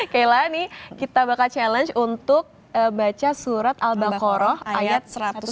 kela nih kita bakal challenge untuk baca surat al baqarah ayat satu ratus tiga puluh